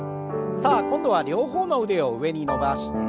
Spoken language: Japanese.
さあ今度は両方の腕を上に伸ばして。